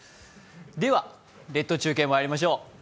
では、「列島中継」まいりましょう。